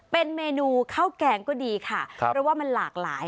เป็นเมนูข้าวแกงก็ดีค่ะเพราะว่ามันหลากหลาย